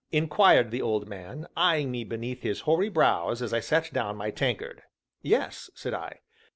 inquired the old man, eyeing me beneath his hoary brows as I set down my tankard. "Yes," said I.